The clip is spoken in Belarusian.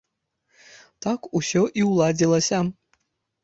Так ўсё і ўладзілася.